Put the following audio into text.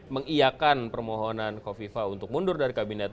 mengiakan permohonan kofifa untuk mundur dari kabinet